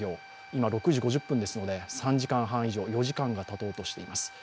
今、６時５０分ですので３時間半以上、４時間がたとうとしています。